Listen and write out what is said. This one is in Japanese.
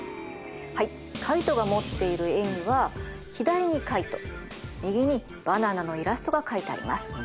はいカイトが持っている絵には左にカイト右にバナナのイラストが描いてあります。